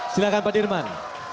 silahkan pak dirman